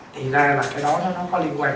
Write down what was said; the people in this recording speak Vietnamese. thì ra là cái đó nó có liên quan